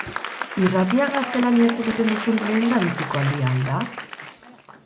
Irratia gaztelaniaz egiten duzun lehendabiziko aldia al da?